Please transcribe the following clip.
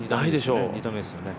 ２打目ですよね。